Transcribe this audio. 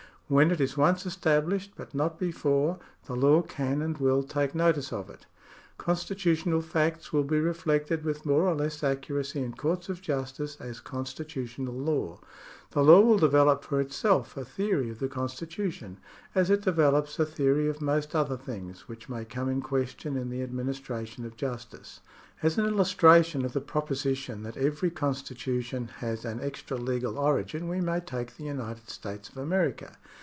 When it is once established, but not before, the law can and will take notice of it. Constitutional facts will be reflected with more or less accuracy in courts of justice as constitutional law. The law will develop for itself a theory of the constitution, as it develops a theory of most other things which may come in question in the administration of justice. As an illustration of the proposition that every constitu tion has an extra legal origin, we may take the United States of America.